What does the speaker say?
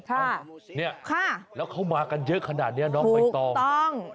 เนี่ยค่ะแล้วเขามากันเยอะขนาดนี้น้องใบตองถูกต้อง